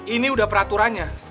ini udah peraturannya